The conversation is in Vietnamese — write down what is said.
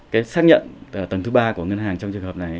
cái xác nhận tuần thứ ba của ngân hàng trong trường hợp này